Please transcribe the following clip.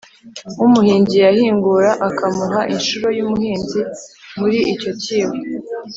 umuhingiye yahingura akamuha inshuro y'umuhinzi muri icyo cyibo